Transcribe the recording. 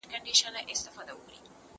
لیک وکړه!؟